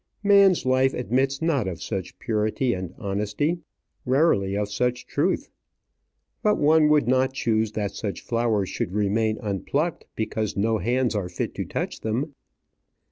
Man's life admits not of such purity and honesty; rarely of such truth. But one would not choose that such flowers should remain unplucked because no hands are fit to touch them.